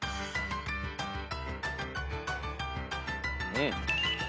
うん。